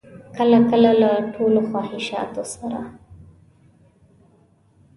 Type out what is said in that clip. کله کله له ټولو خواهشاتو سره.